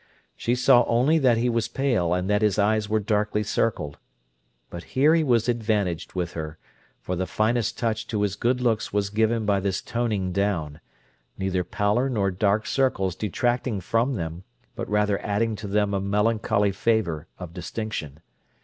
She saw only that he was pale, and that his eyes were darkly circled. But here he was advantaged with her, for the finest touch to his good looks was given by this toning down; neither pallor nor dark circles detracting from them, but rather adding to them a melancholy favour of distinction.